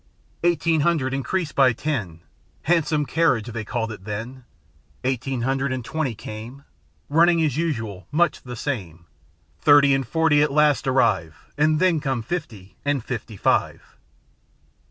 Eighteen hundred increased by ten; â " Hahnsum kerridge " they called it then. 582 Narrative Eighteen hundred and twenty came; â Kunning as usual; much the same. Thirty and forty at last arrive, And then came fifty and fifty five.